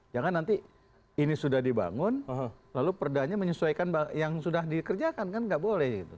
jangan nanti ini sudah dibangun lalu perdanya menyesuaikan yang sudah dikerjakan kan nggak boleh gitu